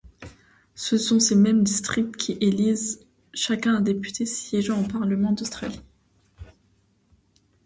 Ce sont ces mêmes districts qui élisent chacun un député siégeant au Parlement d'Australie.